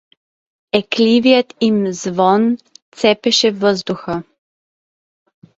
Екливият им звон цепеше въздуха.